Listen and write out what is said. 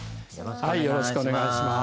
よろしくお願いします。